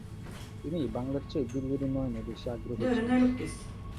তিনি বাংলার চেয়ে দিল্লির উন্নয়নে বেশি আগ্রহী ছিলেন।